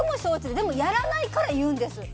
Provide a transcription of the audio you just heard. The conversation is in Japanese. でもやらないから言うんです。